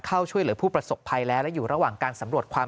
เข้าช่วยเหลือผู้ประสบภัยแล้วและอยู่ระหว่างการสำรวจความ